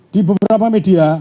di beberapa media